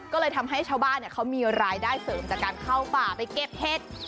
ก็เลยทำให้ชาวบ้านเขามีรายได้เสริมจากการเข้าป่าไปเก็บเห็ด